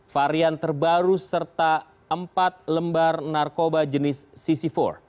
varian terbaru serta empat lembar narkoba jenis cc empat